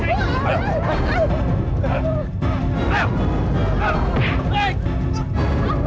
tapi sekali lagi anji prana ratakan atau dia mencengking